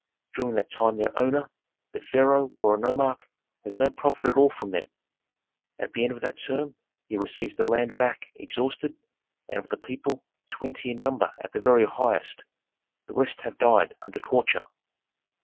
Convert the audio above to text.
During that time their owner, the pharaoh or a nomarch, has no profit at all from them; at the end of that term he receives the land back exhausted, and of the people, twenty in number at the very highest, the rest have died under torture!"